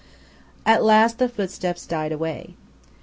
At last the footsteps died away.